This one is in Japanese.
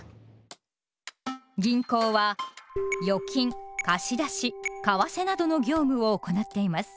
銀行は「預金」「貸出」「為替」などの業務を行っています。